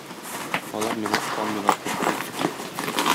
Алар миңа ышанмыйлар кебек.